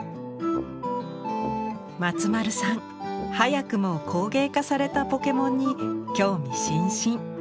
松丸さん早くも工芸化されたポケモンに興味津々。